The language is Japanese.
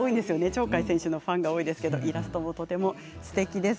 鳥海選手のファンが多いですけどイラストも、とてもすてきです。